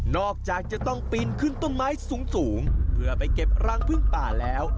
จากจะต้องปีนขึ้นต้นไม้สูงเพื่อไปเก็บรังพึ่งป่าแล้ว